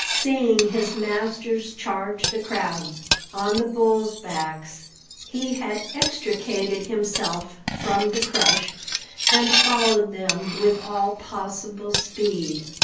Seeing his masters charge the crowd on the bulls' backs, he had extricated himself from the crush, and followed them with all possible speed.